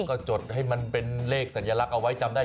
ก็จดให้มันเป็นเลขสัญลักษณ์เอาไว้จำได้